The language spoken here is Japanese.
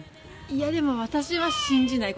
でも、私は信じない。